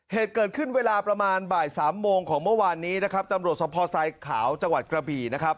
เหตุเกิดขึ้นเวลาประมาณบ่ายสามโมงของเมื่อวานนี้นะครับตำรวจสมพทรายขาวจังหวัดกระบี่นะครับ